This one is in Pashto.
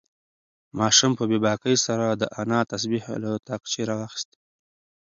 ماشوم په بې باکۍ سره د انا تسبیح له تاقچې راوخیستې.